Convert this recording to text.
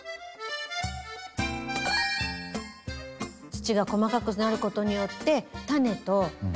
土が細かくなることによってタネと密着すると。